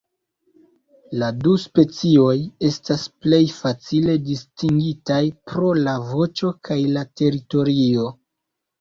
La du specioj estas plej facile distingitaj pro la voĉo kaj la teritorio.